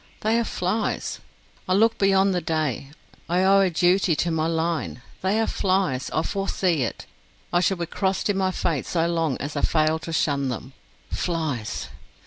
They are flies. I look beyond the day; I owe a duty to my line. They are flies. I foresee it, I shall be crossed in my fate so long as I fail to shun them flies!